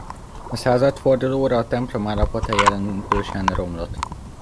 A századfordulóra a templom állapota jelentősen romlott.